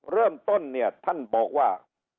เริ่มต้นเนี่ยท่านบอกว่า